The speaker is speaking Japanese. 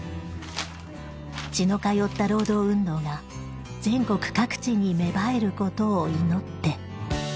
血の通った労働運動が全国各地に芽生えることを祈って。